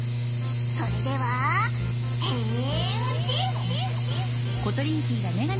それでは変身！